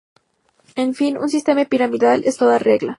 En fin, un sistema piramidal en toda regla.